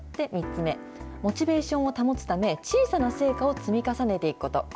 ３つ目、モチベーションを保つため、小さな成果を積み重ねていくこと。